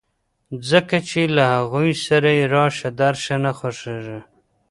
ځکه چې له هغوی سره يې راشه درشه نه خوښېږي.